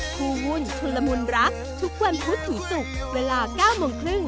สวัสดีครับ